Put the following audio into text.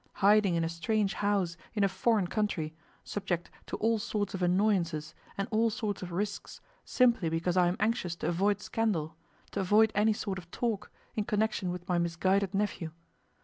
hiding in a strange house in a foreign country, subject to all sorts of annoyances and all sorts of risks, simply because I am anxious to avoid scandal, to avoid any sort of talk, in connection with my misguided nephew?